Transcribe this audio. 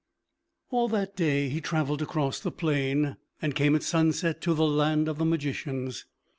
All that day he traveled across the plain, and came at sunset to the land of the magicians.